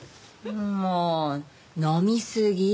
もう飲みすぎ。